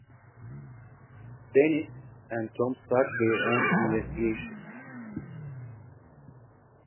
Dennis and Tom start their own investigation.